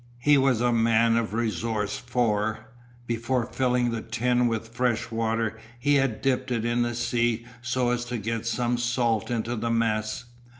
He was a man of resource for, before filling the tin with fresh water, he had dipped it in the sea so as to get some salt into the mess.